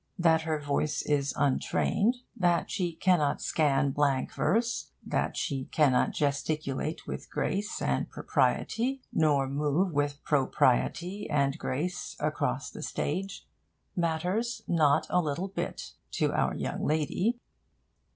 That her voice is untrained, that she cannot scan blank verse, that she cannot gesticulate with grace and propriety, nor move with propriety and grace across the stage, matters not a little bit to our young lady.